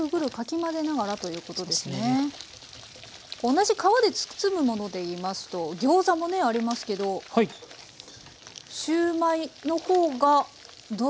同じ皮で包むもので言いますとギョーザもねありますけどシューマイの方がどうですか？